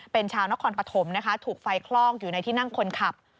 เป็นชาวนครปฐมนะคะถูกไฟคลอกอยู่ในที่นั่งคนขับ